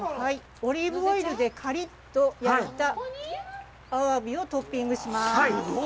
オリーブオイルでカリッと焼いたアワビをトッピングします。